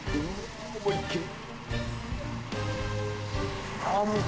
舛思いっきり。